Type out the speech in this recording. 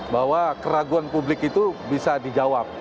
bahwa keraguan publik itu bisa dijawab